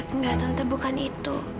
enggak tante bukan itu